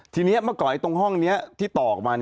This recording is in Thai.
ทีนี้เมื่อก่อนตรงห้องนี้ที่ต่อออกมา